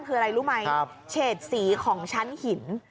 คืออะไรรู้ไหมเฉดสีของชั้นหิน